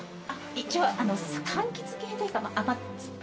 一応かんきつ系というか甘酸っぱい。